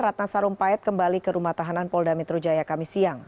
ratna sarumpait kembali ke rumah tahanan polda metro jaya kami siang